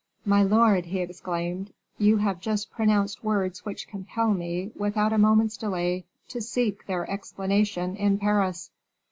"My lord," he exclaimed, "you have just pronounced words which compel me, without a moment's delay, to seek their explanation in Paris."